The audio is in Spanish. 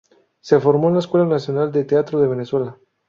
Se formó en la Escuela Nacional de Teatro de Venezuela.